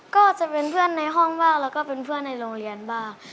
ก็จะเป็นเพื่อนในห้องบ้างแล้วก็เป็นเพื่อนในโรงเรียนบ้าง